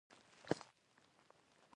پښتون یو مسلمان قوم دی.